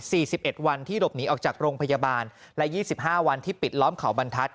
สิบเอ็ดวันที่หลบหนีออกจากโรงพยาบาลและยี่สิบห้าวันที่ปิดล้อมเขาบรรทัศน